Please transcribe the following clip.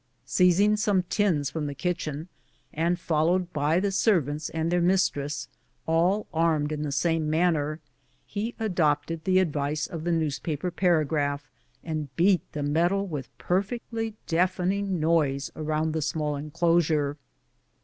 Seizing some ting from tlie kitchen, and followed by the servants and their mistress, all armed in the same manner, we adopted the advice of the newspaper par« agraph, and beat the metal with perfectly deafening noise around the small enclosure.